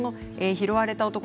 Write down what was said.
「拾われた男」